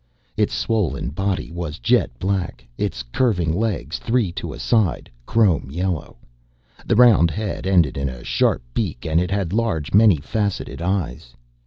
Its swollen body was jet black, its curving legs, three to a side, chrome yellow. The round head ended in a sharp beak and it had large, many faceted eyes.